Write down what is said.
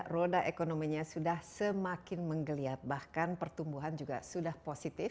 roda ekonominya sudah semakin menggeliat bahkan pertumbuhan juga sudah positif